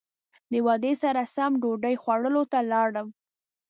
د وعدې سره سم ډوډۍ خوړلو ته لاړم.